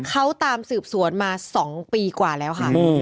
เขาตามสืบสวนมา๒ปีกว่าแล้วค่ะ